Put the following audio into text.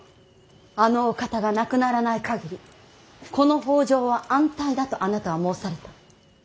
あのお方が亡くならない限りこの北条は安泰だとあなたは申された。